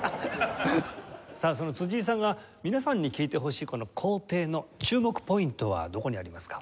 さあその辻井さんが皆さんに聴いてほしいこの「皇帝」の注目ポイントはどこにありますか？